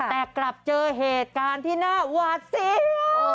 แต่กลับเจอเหตุการณ์ที่น่าหวาดเสียว